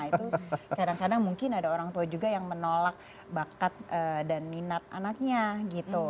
itu kadang kadang mungkin ada orang tua juga yang menolak bakat dan minat anaknya gitu